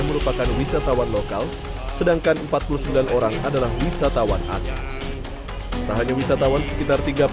merupakan wisatawan lokal sedangkan empat puluh sembilan orang adalah wisatawan asing tak hanya wisatawan sekitar